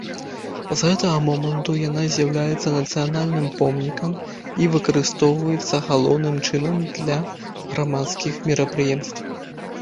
З гэтага моманту яна з'яўляецца нацыянальным помнікам і выкарыстоўваецца галоўным чынам для грамадскіх мерапрыемстваў.